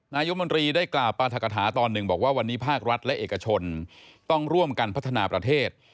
นายมนตรีได้กล่าวปราธกฐาตอนหนึ่งบอกว่าวันนี้ภาครัฐและเอกชนต้องร่วมกันพัฒนาประเทศ